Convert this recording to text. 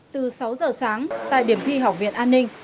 từ sáu giờ sáng tại điểm thi học viện an ninh